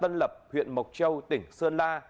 tân lập huyện mộc châu tỉnh sơn la